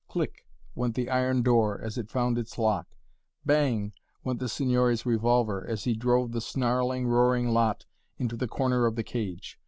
Click! went the iron door as it found its lock. Bang! went the Signore's revolver, as he drove the snarling, roaring lot into the corner of the cage.